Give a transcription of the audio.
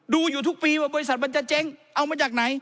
ดูอยู่ทุกปีว่าบริษัทมันจะเจ๊งเอามาจากไหน